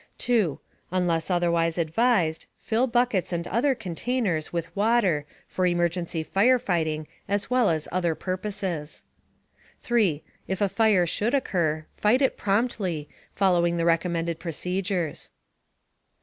2. Unless otherwise advised, fill buckets and other containers with water, for emergency fire fighting as well as other purposes. 3. If a fire should occur, fight it promptly, following the recommended procedures.